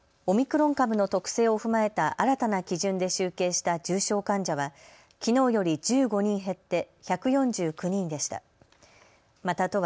オミクロン株の特性を踏まえた新たな基準で集計した重症患者はきのうより１５人減って１４９人でした。